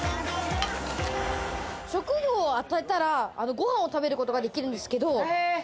職業を当てたら、ご飯を食べることができるんですけれども。